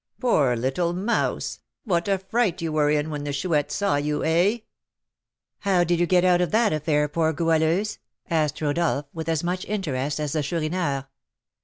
Poor little mouse, what a fright you were in when the Chouette saw you! eh?" "How did you get out of that affair, poor Goualeuse?" asked Rodolph, with as much interest as the Chourineur.